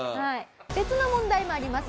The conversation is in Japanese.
別の問題もあります。